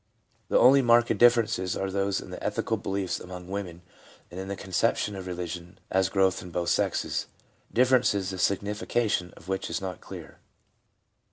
The only marked differences are in the ethical beliefs among women and in the conception of religion as growth in both sexes — differences the signifi cation of which is not clear.